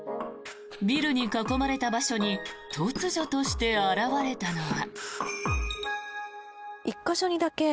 ビルに囲まれた場所に突如として現れたのは。